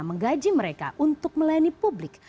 menggaji mereka untuk melayani publik